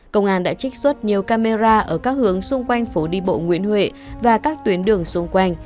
công an đã trích xuất nhiều camera ở các hướng xung quanh phố đi bộ nguyễn huệ và các tuyến đường xung quanh